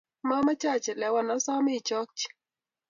Momoche achelewan asome ichokchi.